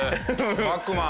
『パックマン』！